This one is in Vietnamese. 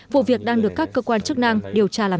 vụ việc đang được các cơ quan chức năng điều tra làm rõ